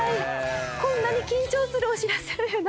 こんなに緊張するお知らせないです。